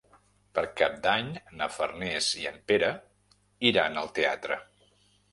Per Cap d'Any na Farners i en Pere iran al teatre.